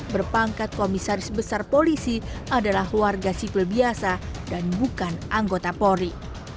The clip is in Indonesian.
berpangkat komisaris besar polisi adalah keluarga sikl biasa dan bukan anggota pori